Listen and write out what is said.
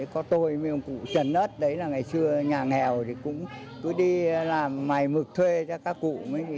có tôi với ông cụ trần ất ngày xưa nhà nghèo thì cũng đi làm mài mực thuê cho các cụ